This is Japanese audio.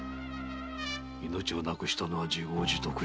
命をなくしたのは自業自得よ。